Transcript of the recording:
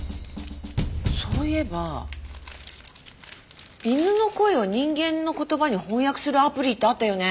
そういえば犬の声を人間の言葉に翻訳するアプリってあったよね？